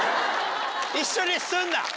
一緒にすんな！